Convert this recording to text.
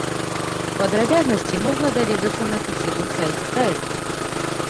Падрабязнасці можна даведацца на афіцыйным сайце праекта.